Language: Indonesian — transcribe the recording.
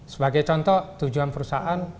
sebagai contoh tujuan perusahaan